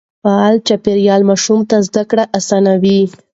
فعال چاپېريال ماشوم ته زده کړه آسانوي.